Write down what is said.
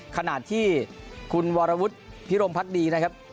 ขณะที่คุณวรวุฒิพิรมพักดีนะครับ